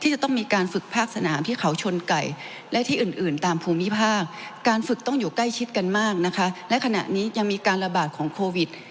จะต้องมีการฝึกภาคนามที่เขาชนไกลและทิอื่นตามพุมิพลาการฝึกต้องอยู่ใกล้ชิดกันมากนะคะและขณะนี้ยังมีการระบาด